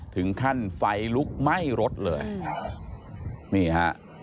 ถึงขั้นไฟลุกไหม้รถเลยนี่ฮะ